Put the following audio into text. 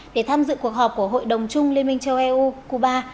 để tham dự cuộc họp của hội đồng chung liên minh châu eu cuba